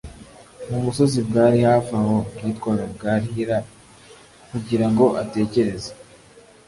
mu musozi bwari hafi aho bwitwaga gar hira kugira ngo atekereze,